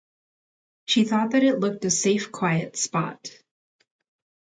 She thought that it looked a safe quiet spot.